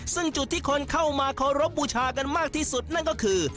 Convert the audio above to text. ซึ่งจุดที่คนเข้ามาเคารพบูชากันมากที่สุดนั่นก็คือ